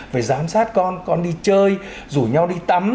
phải giám sát con con đi chơi rủ nhau đi tắm